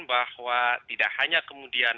bahwa tidak hanya kemudian